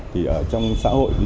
trong xã hội